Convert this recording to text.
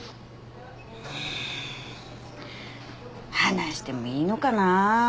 うん話してもいいのかなぁ？